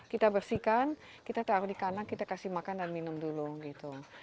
kita bersihkan kita taruh di kanan kita kasih makan dan minum dulu gitu